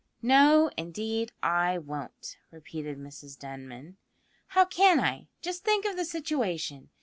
"No, indeed, I won't," repeated Mrs Denman; "how can I? Just think of the situation.